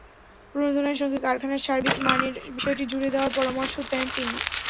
প্রণোদনার সঙ্গে কারখানার সার্বিক মানের বিষয়টি জুড়ে দেওয়ার পরামর্শও দেন তিনি।